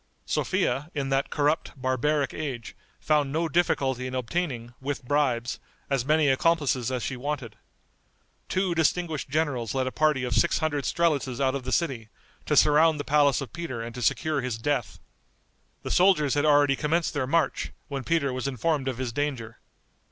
Sophia, in that corrupt, barbaric age, found no difficulty in obtaining, with bribes, as many accomplices as she wanted. Two distinguished generals led a party of six hundred strelitzes out of the city, to surround the palace of Peter and to secure his death. The soldiers had already commenced their march, when Peter was informed of his danger.